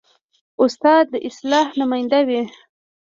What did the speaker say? استاد د اصلاح نماینده وي.